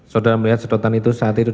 saudara melihat sedotan itu saat itu